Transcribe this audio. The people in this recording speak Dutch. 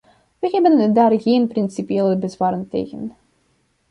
Wij hebben daar geen principiële bezwaren tegen.